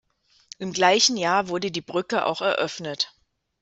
Im gleichen Jahr wurde die Brücke auch eröffnet.